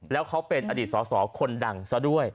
แล้วเขาเป็นอดีตสอสอคนดังซะด้วย